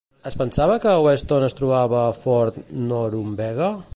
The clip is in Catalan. Es pensava que a Weston es trobava Fort Norumbega?